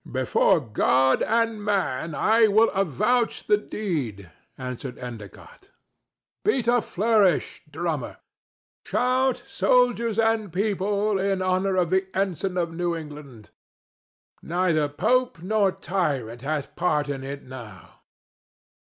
"Before God and man I will avouch the deed," answered Endicott.—"Beat a flourish, drummer—shout, soldiers and people—in honor of the ensign of New England. Neither pope nor tyrant hath part in it now."